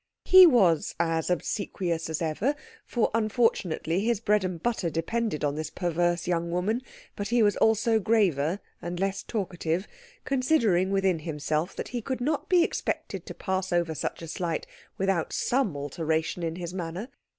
He was as obsequious as ever, for unfortunately his bread and butter depended on this perverse young woman; but he was also graver and less talkative, considering within himself that he could not be expected to pass over such a slight without some alteration in his manner.